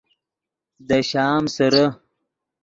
دے شام سیرے